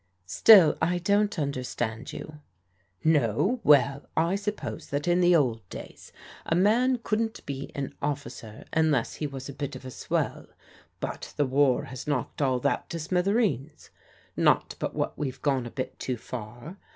Still I don't understand you." " No, well, I suppose that in the old days, a man couldn't be an officer unless he was a bit of a swell, but the war has knocked all that to smithereens. Not but what we've gone a bit too far.